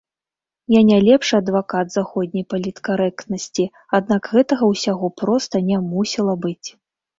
Я не лепшы адвакат заходняй паліткарэктнасці, аднак гэтага ўсяго проста не мусіла быць.